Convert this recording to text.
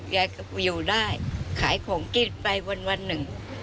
ยายก็อยู่ได้ขายของกินไปวันหนึ่ง